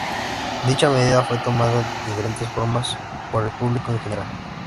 Dicha medida fue tomada de diferentes formas por el público en general.